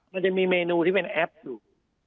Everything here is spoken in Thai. มันจะมีเมนูที่เป็นแอปอยู่